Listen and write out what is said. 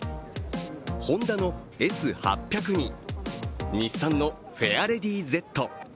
ホンダのＳ８００に、日産のフェアレディＺ。